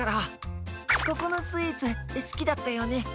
ここのスイーツすきだったよね？